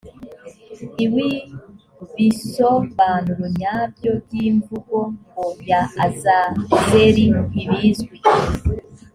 lw ibisobanuro nyabyo by imvugo ngo ya azazeli ntibizwi